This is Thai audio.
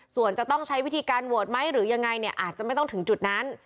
ส่วนจะต้องใช้วิธีการโหวตไหมหรือยังไงเนี่ยอาจจะไม่ต้องถึงจุดนั้น